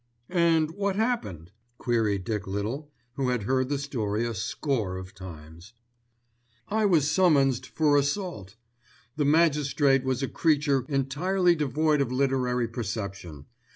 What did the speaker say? "And what happened?" queried Dick Little, who had heard the story a score of times. "I was summonsed for assault. The magistrate was a creature entirely devoid of literary perception.